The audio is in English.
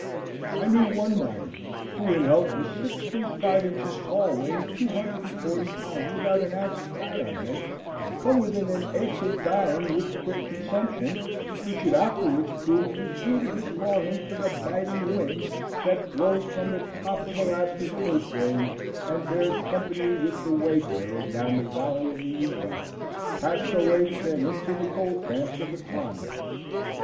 I knew one miner, who in health was six feet five inches tall, weighing two hundred and forty pounds without an ounce of fat on him, come within an ace of dying with quick consumption, which it afterwards proved was due to his longing for the biting wind that blows from the top of Alaska's Coast Range and bears company with the wayfarer down in the valley of the Yukon past the lakes and into the gold camps of the Klondike.